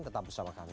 tetap bersama kami